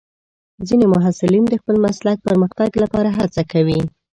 ځینې محصلین د خپل مسلک پرمختګ لپاره هڅه کوي.